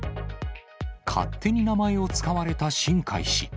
勝手に名前を使われた新開氏。